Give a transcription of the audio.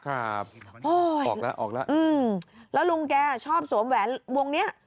ออกแล้วออกแล้วอืมแล้วลุงแกชอบสวมแหวนวงเนี้ย